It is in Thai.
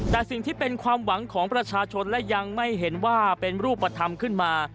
แต่สิ่งที่เป็นความหวังของประชาชนและยังไม่เห็นว่าเป็นรูปธรรมขึ้นมา